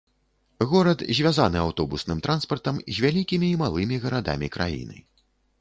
Горад звязаны аўтобусным транспартам з вялікімі і малымі гарадамі краіны.